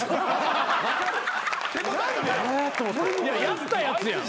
やったやつやん。